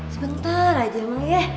sebentar aja mang ya